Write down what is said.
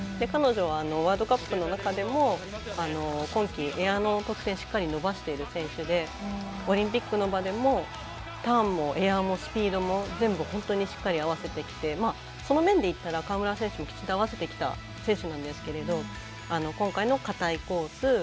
彼女はワールドカップの中でも今季エアの得点しっかり伸ばしている選手でオリンピックの場でもターンもエアもスピードも全部本当にしっかり合わせてきてその面で言ったら川村選手もきちんと合わせてきた選手なんですけども今回のかたいコース